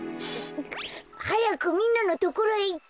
はやくみんなのところへいって！